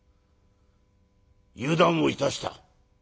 油断をいたした。